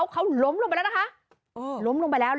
เขาล้มลงไปแล้วนะคะ